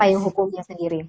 payung hukumnya sendiri